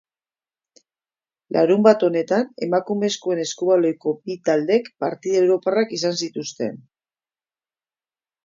Larunbat honetan emakumezkoen eskubaloiko bi taldek partida europarrak izan zituzten.